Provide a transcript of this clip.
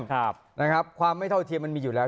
ครับนะครับความไม่เท่าเทียมมันมีอยู่แล้ว